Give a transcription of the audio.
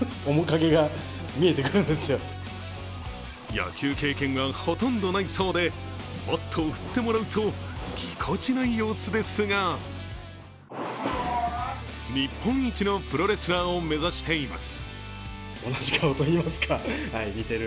野球経験はほとんどないそうで、バットを振ってもらうとぎこちない様子ですが日本一のプロレスラーを目指しています。